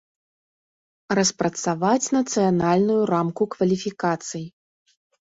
Распрацаваць нацыянальную рамку кваліфікацый.